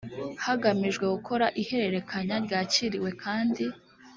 hagamijwe gukora ihererekanya ryakiriwe kandi